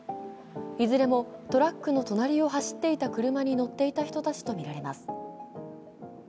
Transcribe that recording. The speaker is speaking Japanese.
いずれもトラックの隣を走っていた車に乗っていた人たちとみられます。